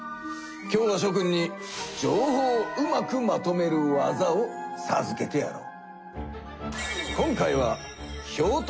今日はしょ君に情報をうまくまとめる技をさずけてやろう。